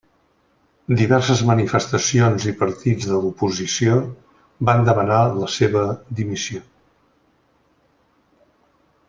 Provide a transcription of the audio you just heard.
Diverses manifestacions i partits de l'oposició van demanar la seva dimissió.